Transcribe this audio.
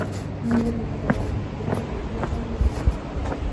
Мне вельмі падабаецца тое, як я жыву.